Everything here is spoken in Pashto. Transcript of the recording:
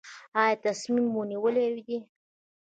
ایا تصمیم مو نیولی دی؟